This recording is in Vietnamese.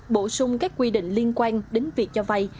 bổ sung các quy định liên quan đến việc cho vay